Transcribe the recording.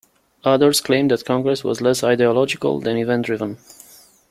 Others claim that Congress was less ideological than event driven.